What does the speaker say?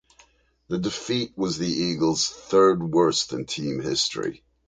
The defeat was the Eagles third worst in team history.